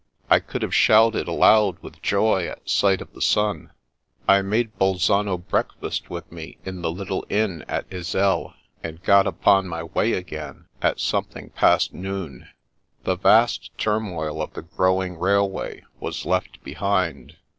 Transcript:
I could have shouted aloud with joy at sight of the sun. I made Bolzano breakfast with me in the little inn at Iselle, and got upon my way again, at something past noon. The vast turmoil of the growing railway was left behind.